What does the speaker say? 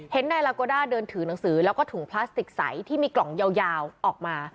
นายลาโกด้าเดินถือหนังสือแล้วก็ถุงพลาสติกใสที่มีกล่องยาวออกมา